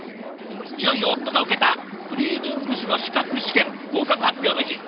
いよいよ夫が受けたクリーニング師の資格試験合格発表の日。